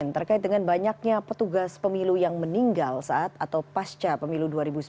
terkait dengan banyaknya petugas pemilu yang meninggal saat atau pasca pemilu dua ribu sembilan belas